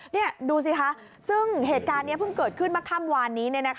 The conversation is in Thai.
นี่ดูสิคะซึ่งเหตุการณ์นี้เพิ่งเกิดขึ้นเมื่อค่ำวานนี้